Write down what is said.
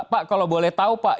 pak kalau boleh tahu pak